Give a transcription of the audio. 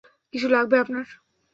কিছু লাগবে আপনার?